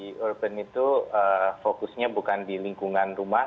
sebenarnya covid sembilan belas itu fokusnya bukan di lingkungan rumah